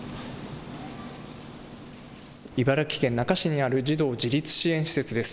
茨城県那珂市にある児童自立支援施設です。